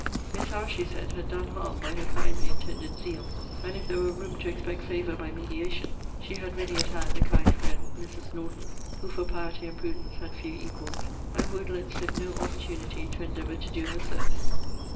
Miss Howe, she said, had done harm by her kindly intended zeal; and if there were room to expect favour by mediation, she had ready at hand a kind friend, Mrs. Norton, who for piety and prudence had few equals; and who would let slip no opportunity to endeavour to do her service.